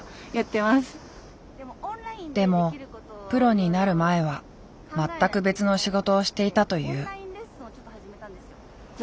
でもプロになる前は全く別の仕事をしていたという。